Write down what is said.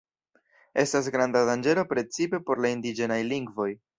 Estas granda danĝero precipe por la indiĝenaj lingvoj.